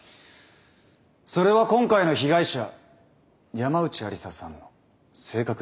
それは今回の被害者山内愛理沙さんの性格についてです。